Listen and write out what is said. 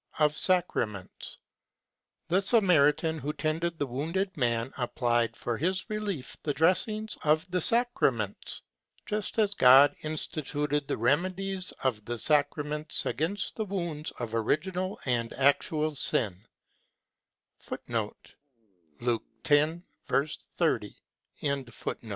Of Sacraments The Samaritan who tended the wounded man, applied for his relief the dressings of the sacraments,^ just as God instituted the remedies of the sacraments against the wounds of original and actual sin.